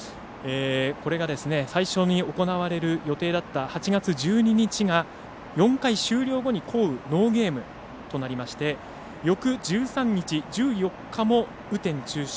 これが最初に行われる予定だった８月１２日が４回終了後にノーゲームとなりまして翌１３日、１４日も雨天中止。